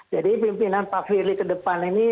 jadi pimpinan pak fili ke depan ini